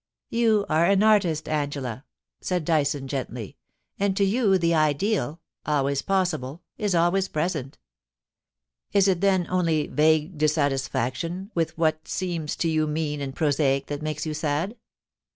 * You are an artist, Angela,' said Dyson, gently ;* and to you the ideal, always possible, is always present Is it then only vague dissatisfaction with what seems to you mean and prosaic that makes you sad